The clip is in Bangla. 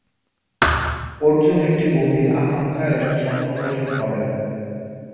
অর্জুন একটি গভীর আকাঙ্ক্ষা এবং স্বপ্ন পোষণ করেন।